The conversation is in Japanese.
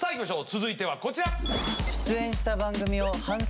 続いてはこちら。